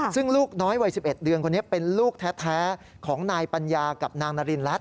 ซึ่งลูกน้อยวัย๑๑เดือนคนนี้เป็นลูกแท้ของนายปัญญากับนางนารินรัฐ